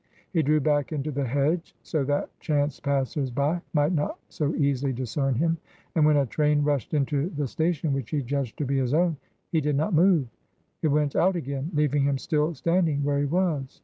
He drew back into the hedge, so that chance passers by might not so easily discern him. And when a train rushed into the station which he judged to be his own, he did not move. It went out again, leaving him still standing where he was.